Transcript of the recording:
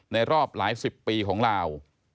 รอบหลายสิบปีของลาว